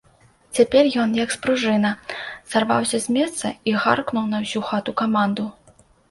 Цяпер ён, як спружына, сарваўся з месца і гаркнуў на ўсю хату каманду.